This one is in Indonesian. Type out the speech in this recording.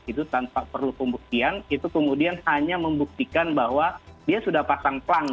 itu tanpa perlu pembuktian itu kemudian hanya membuktikan bahwa dia sudah pasang klang